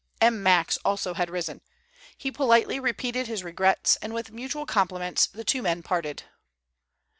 M. Max also had risen. He politely repeated his regrets, and with mutual compliments the two men parted.